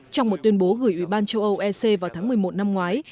trong một tuyên bố gửi ủy ban châu âu ec vào tháng một mươi một năm ngoái